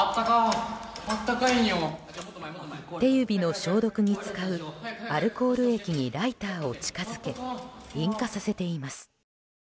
手指の消毒に使うアルコール液にライターを近づけ引火させています。